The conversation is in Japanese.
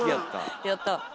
やったぁ。